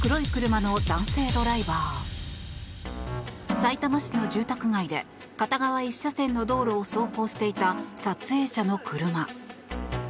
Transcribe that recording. さいたま市の住宅街で片側１車線の道路を走行していた撮影者の車。